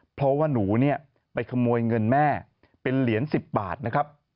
เพราะว่าหนูเนี่ยไปขโมยเงินแม่เป็นเหรียญ๑๐บาทนะครับ